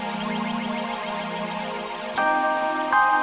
yang di mana rekan raya rodeo